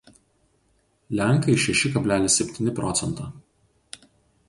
lenkai šeši kablelis septyni procento